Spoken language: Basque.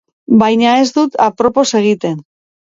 Baina ez dut apropos egiten.